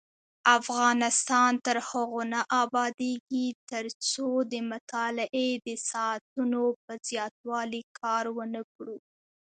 افغانستان تر هغو نه ابادیږي، ترڅو د مطالعې د ساعتونو په زیاتوالي کار ونکړو.